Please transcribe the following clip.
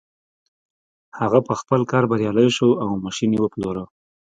هغه په خپل کار بريالی شو او ماشين يې وپلوره.